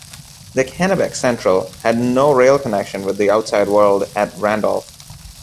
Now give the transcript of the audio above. The Kennebec Central had no rail connection with the outside world at Randolph.